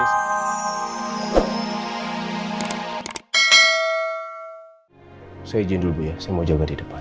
saya jendul dulu ya saya mau jaga di depan